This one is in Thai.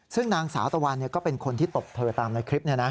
ซึ่งนางสาวตะวันก็เป็นคนที่ตบเธอตามในคลิป